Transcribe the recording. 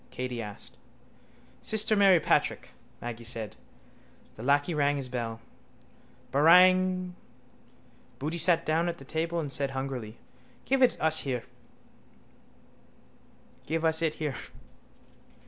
Katey asked. —Sister Mary Patrick, Maggy said. The lacquey rang his bell. —Barang! Boody sat down at the table and said hungrily: —Give us it here.